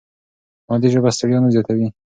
مادي ژبه ستړیا نه زیاتوي.